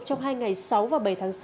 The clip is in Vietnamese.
trong hai ngày sáu và bảy tháng sáu